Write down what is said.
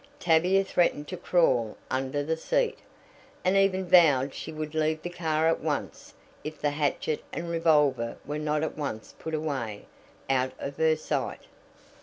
Tavia threatened to crawl under the seat, and even vowed she would leave the car at once if the hatchet and revolver were not at once put away "out of her sight!"